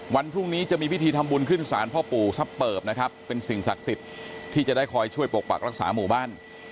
วันพรุ่งนี้จะมีพิธีทำบุญขึ้นศาลพ่อปู่ซับเปิบนะครับเป็นสิ่งศักดิ์สิทธิ์ที่จะได้คอยช่วยปกปักรักษาหมู่บ้าน